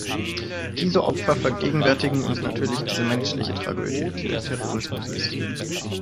Diese Opfer vergegenwärtigen uns natürlich diese menschliche Tragödie, die der Terrorismus ist.